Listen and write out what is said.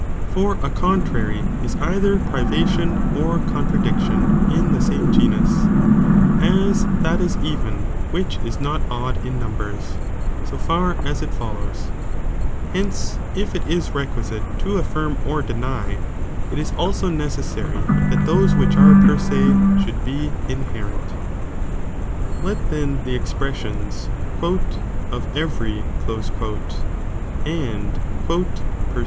For a contrary is either privation or contradiction in the same genus, as ^^^'" that is even which ia not odd in numbers, so far H3 it follows :' hence if it is requisite to alfirm or deny, it is ftbo necessary that those 'which are per ad should be inherent. Let then the expressions " of every " and " per 7.